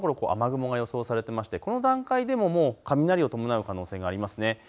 雨雲が予想されていましてこの段階でももう雷を伴う可能性がありますね。